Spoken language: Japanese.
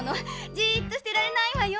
じっとしてられないわよ。